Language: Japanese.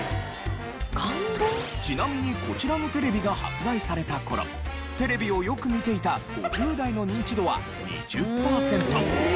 ちなみにこちらのテレビが発売された頃テレビをよく見ていた５０代のニンチドは２０パーセント。